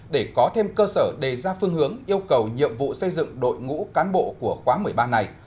để có thêm cơ sở đề ra phương hướng yêu cầu nhiệm vụ xây dựng đội ngũ cán bộ của khóa một mươi ba này